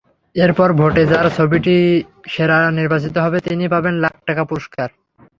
এরপর ভোটে যাঁর ছবিটি সেরা নির্বাচিত হবে, তিনি পাবেন লাখ টাকা পুরস্কার।